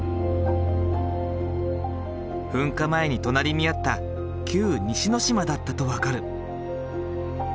噴火前に隣りにあった旧・西之島だったと分かる。